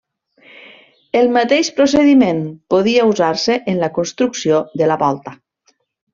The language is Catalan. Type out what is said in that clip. El mateix procediment podia usar-se en la construcció de la volta.